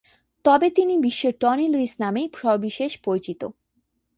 তবে তিনি বিশ্বে টনি লুইস নামেই সবিশেষ পরিচিত।